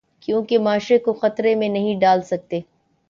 کیونکہ معاشرے کو خطرے میں نہیں ڈال سکتے۔